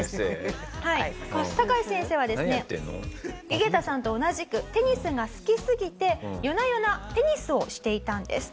ユゲタさんと同じくテニスが好きすぎて夜な夜なテニスをしていたんです。